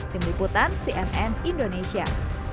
tim liputan cnn indonesia